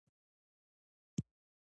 ته ولې خپه ناسته يې ؟